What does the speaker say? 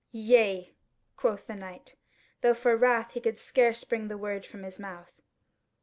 "Yea," quoth the knight, though for wrath he could scarce bring the word from his mouth.